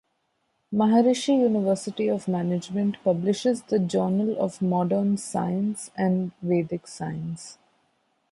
Maharishi University of Management publishes the "Journal of Modern Science and Vedic Science".